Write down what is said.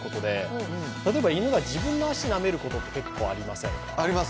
例えば犬が自分の足をなめることって結構ありません？